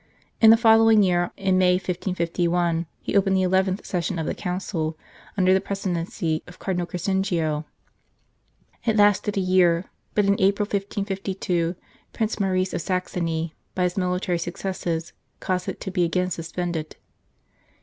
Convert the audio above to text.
In the following year, in May, 1551, he opened the eleventh session of the Council, under the presi dency of Cardinal Crescenzio. It lasted a year ; but in April, 1552, Prince Maurice of Saxony, by his military successes, caused it to be again suspended.